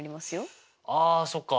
あそっか。